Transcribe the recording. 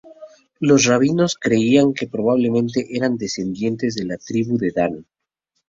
Los rabinos creían que probablemente eran descendientes de la tribu de Dan.